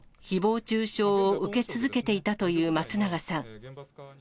ひぼう中傷を受け続けていたという松永さん。